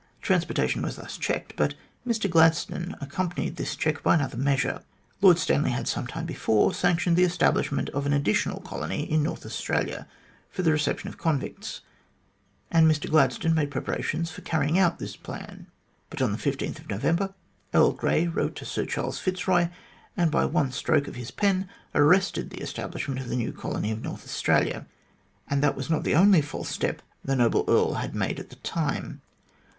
Transportation was thus checked, but Mr Gladstone accompanied this check by another measure. Lord Stanley had, some time before, sanctioned the establishment of an additional colony in North Australia for the reception of convicts, and Mr Gladstone made preparations for carrying out this plan. But on the 15th of November, Earl Grey wrote to Sir Charles Fitzroy, and by one stroke of his pen arrested the establishment of the new colony of North Australia. And that was not the only false step the noble Earl made at the time.